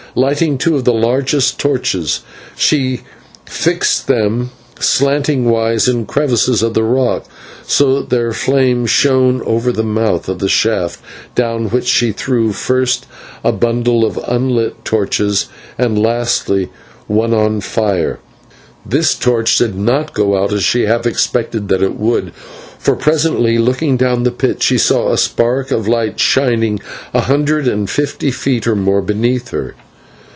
Lighting two of the largest torches she fixed them slantingwise in crevices of the rock, so that their flame shone over the mouth of the shaft, down which she threw, first, a bundle of unlit torches, and, lastly, one on fire. This torch did not go out, as she half expected that it would, for presently, looking down the pit, she saw a spark of light shining a hundred and fifty feet or more beneath her.